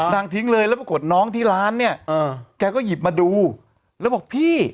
ทิ้งเลยแล้วปรากฏน้องที่ร้านเนี่ยแกก็หยิบมาดูแล้วบอกพี่